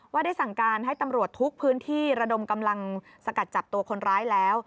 ได้สั่งการให้ตำรวจทุกพื้นที่ระดมกำลังสกัดจับตัวคนร้ายแล้ว